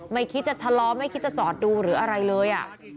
ไม่คิดจะชะลอไม่คิดจะจอดดูหรืออะไรเลย